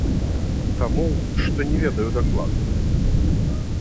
Таму, што не ведаю дакладна.